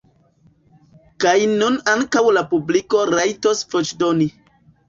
Kaj nun ankaŭ la publiko rajtos voĉdoni.